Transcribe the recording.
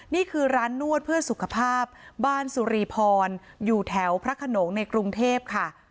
นี่คือร้านนวดเพื่อสุขภาพบ้านสุรีพรอยู่แถวพระขนงในกรุงเทพค่ะ